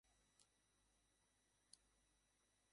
এছাড়াও কাট করতে পারতেন ও দলের প্রয়োজনে নিজেকে উজাড় করে দিতেন।